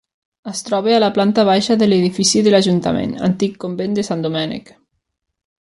Es troba a la planta baixa de l'edifici de l'Ajuntament, antic convent de Sant Domènec.